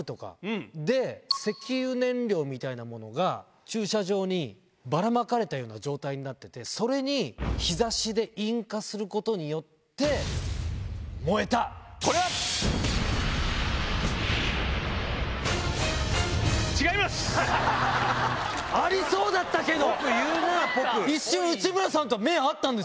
石油燃料みたいなものが駐車場にばらまかれた状態になってて日差しで引火することによって燃えた！ありそうだったけど！